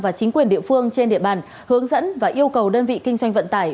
và chính quyền địa phương trên địa bàn hướng dẫn và yêu cầu đơn vị kinh doanh vận tải